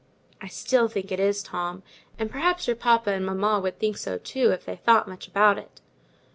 "I still think it is, Tom; and perhaps your papa and mamma would think so too, if they thought much about it.